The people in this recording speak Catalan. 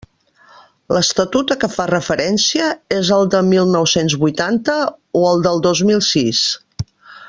L'Estatut a què fas referència és el de mil nou-cents vuitanta o el del dos mil sis?